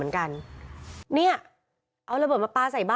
คือตอนที่แม่ไปโรงพักที่นั่งอยู่ที่สพ